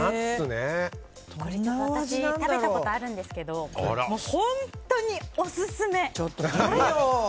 私、食べたことあるんですけど本当にオススメ、大好き。